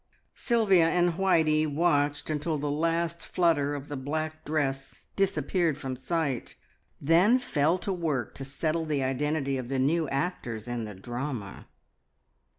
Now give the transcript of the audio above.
Sylvia and Whitey watched until the last flutter of the black dress disappeared from sight, then fell to work to settle the identity of the new actors in the drama.